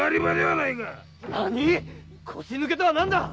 なにぃ⁉腰抜けとは何だ！